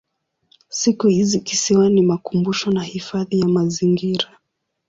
Siku hizi kisiwa ni makumbusho na hifadhi ya mazingira.